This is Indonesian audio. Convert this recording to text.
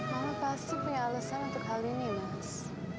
mama pasti punya alasan untuk hal ini mas